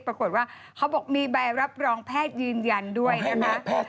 เขาบอกมีใบรับรองแพทย์ยืนยันด้วยนะคะ